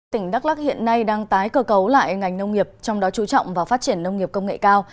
tỉnh đắk lắc hiện nay đang tái cơ cấu lại ngành nông nghiệp trong đó chú trọng vào phát triển nông nghiệp công nghệ cao